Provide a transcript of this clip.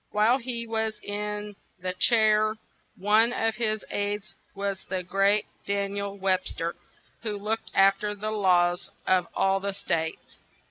While he was in the chair one of his aids was the great Dan iel Web ster, who looked af ter the laws of all the states.